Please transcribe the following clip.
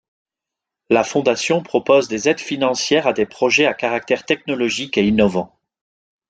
La Fondation propose des aides financières à des projets à caractère technologique et innovant.